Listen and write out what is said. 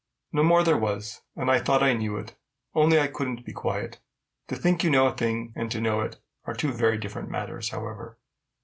No more there was; and I thought I knew it, only I couldn't be quiet. To think you know a thing, and to know it, are two very different matters, however.